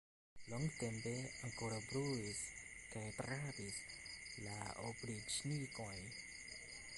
Longtempe ankoraŭ bruis kaj rabis la opriĉnikoj.